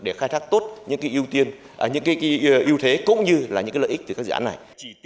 để khai thác tốt những cái ưu thế cũng như là những cái lợi ích từ các dự án này